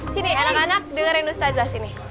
sini anak anak dengerin ustazah sini